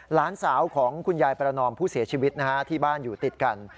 หลานสาวของคุณยายประนอมผู้เสียชีวิตนะฮะที่บ้านอยู่ติดกัน